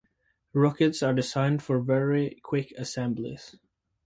Rockets are designed for very quick assemblies.